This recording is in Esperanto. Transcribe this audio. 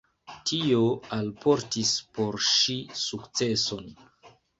Tio alportis por ŝi sukceson.